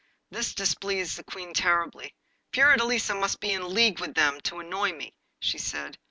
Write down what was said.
This displeased the Queen terribly. 'Fiordelisa must be in league with them, to annoy me!' she said.